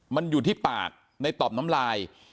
มันอยู่ที่ปากในตอบน้ำลาย